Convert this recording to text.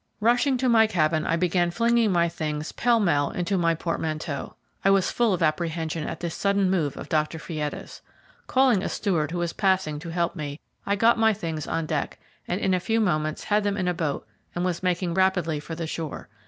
Rushing to my cabin, I began flinging my things pell mell into my portmanteau. I was full of apprehension at this sudden move of Dr. Fietta's. Calling a steward who was passing to help me, I got my things on deck, and in a few moments had them in a boat and was making rapidly for the shore.